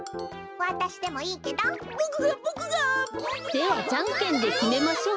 ではじゃんけんできめましょう。